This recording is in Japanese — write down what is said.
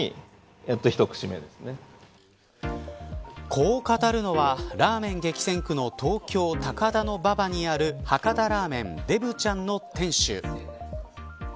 こう語るのはラーメン激戦区の東京、高田馬場にある博多ラーメンでぶちゃんの店主。